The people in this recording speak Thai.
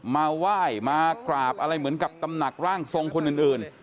มาไหว้มากราบอะไรเหมือนกับตำหนักร่างทรงคนอื่น